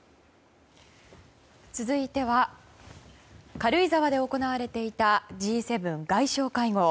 続いては軽井沢で行われていた、Ｇ７外相会合。